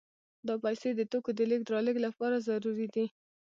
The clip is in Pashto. دا پیسې د توکو د لېږد رالېږد لپاره ضروري دي